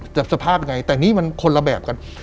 สภาพยังไงแต่นี่มันคนละแบบกัน